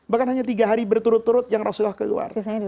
bahkan hanya tiga hari berturut turut yang rasulullah keluar